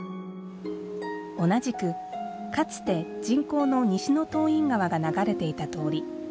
同じく、かつて人工の西洞院川が流れていた通り。